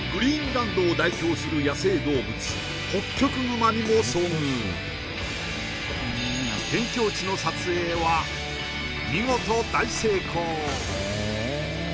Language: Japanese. ランドを代表する野生動物ホッキョクグマにも遭遇辺境地の撮影は見事大成功！